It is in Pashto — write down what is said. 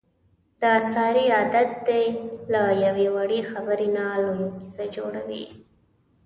د سارې عادت دی له یوې وړې خبرې نه لویه کیسه جوړوي.